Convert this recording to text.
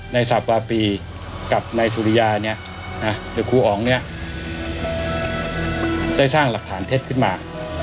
ในสัปดาห์ปีกับในสุริยาเนี่ยครูอ๋องเนี่ยได้สร้างหลักฐานเท็จขึ้นมา